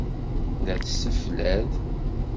La tesseflad.